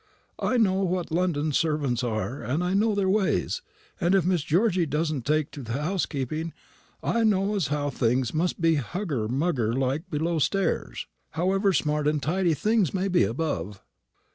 I know what London servants are, and I know their ways; and if Miss Georgy doesn't take to the housekeeping, I know as how things must be hugger mugger like below stairs, however smart and tidy things may be above."